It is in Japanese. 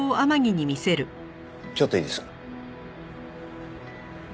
ちょっといいですか？